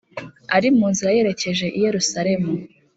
ari mu nzira yerekeje i yerusalemu,